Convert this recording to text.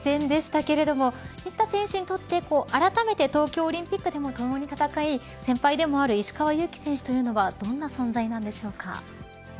熱戦でしたけれども西田選手にとってあらためて東京オリンピックでもともに戦い先輩でもある石川祐希選手というのはどんな存在なんでしょうか。